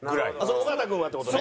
尾形君はって事ね？